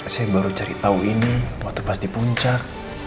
saya baru cari tahu ini waktu pasti puncak